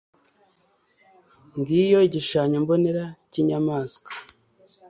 ngiyo igishushanyo mbonera cy'inyamanswa